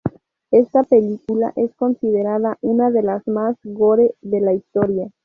Esta película es considerada una de las más "gore" de la historia.